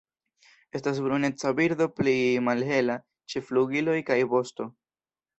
Estas bruneca birdo pli malhela ĉe flugiloj kaj vosto.